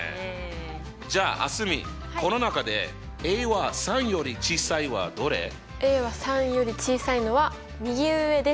じゃあ蒼澄この中では３より小さいのは右上です。